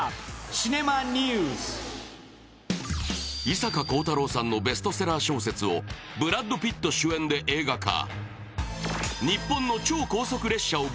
伊坂幸太郎さんのベストセラー小説をブラッド・ピット主演で映画化。